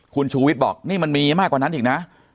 คุณชูวิทย์บอกนี่มันมีมากกว่านั้นอีกนะ